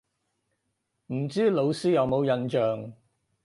唔知老師有冇印象